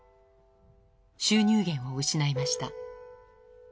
収入源を失いました。